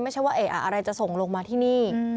ไม่ใช่ว่าอะไรจะส่งลงมาที่นี่